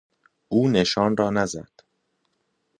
او نشان را نزد.